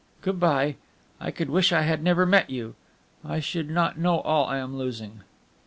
Good bye! I could wish I had never met you; I should not know all I am losing."